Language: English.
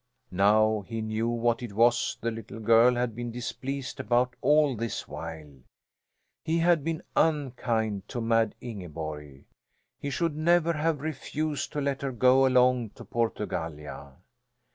Now he knew what it was the little girl had been displeased about all this while. He had been unkind to Mad Ingeborg; he should never have refused to let her go along to Portugallia.